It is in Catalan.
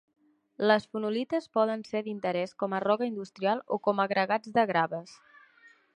Les fonolites poden ser d'interès com a roca industrial o com agregats de graves.